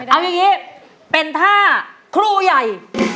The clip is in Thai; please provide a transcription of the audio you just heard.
เอาอย่างนี้เป็นท่าครูใหญ่